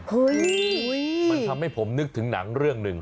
เฮ้ยมันทำให้ผมนึกถึงหนังเรื่องหนึ่ง